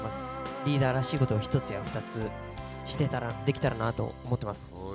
リーダーらしいことを、１つや２つ、できたらなと思ってます。